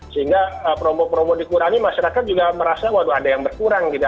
sehingga promo promo dikurangi masyarakat juga merasa waduh ada yang berkurang gitu